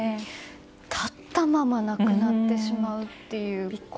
立ったまま亡くなってしまうっていう。